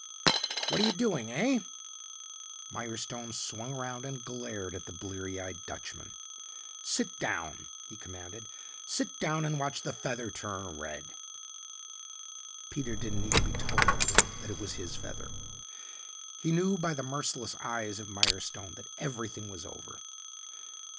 "What are you doing, heh?" Mirestone swung around and glared at the bleary eyed Dutchman. "Sit down," he commanded. "Sit down and watch the feather turn red." Peter didn't need to be told that it was his feather. He knew by the merciless eyes of Mirestone that everything was over.